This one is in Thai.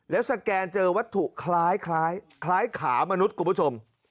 แล้วสแกนเจอวัตถุคล้ายคล้ายขามนุษย์กลุ่มผู้ชม